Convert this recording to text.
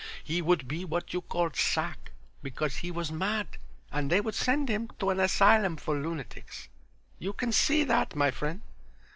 He would be what you called sack because he was mad, and they would send him to an asylum for lunatics. You can see that, my friend."